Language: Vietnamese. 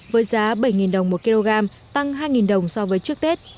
với giá bảy đồng một kg tăng hai đồng so với trước tết